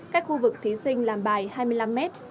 các khu vực thí sinh làm bài hai mươi năm mét